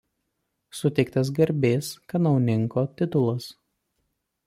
Suteiktas garbės kanauninko titulas.